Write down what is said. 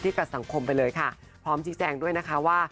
กับสังคมไปเลยค่ะพร้อมชี้แจงด้วยนะคะว่า